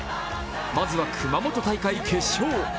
まずは熊本大会決勝。